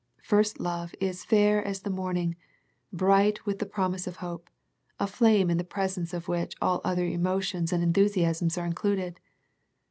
First love is fair as the morning, bright with the promise of hope, a flame in the presence of which all other emotions and en thusiasms are included.